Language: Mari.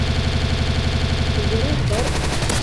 — Тугерак дыр.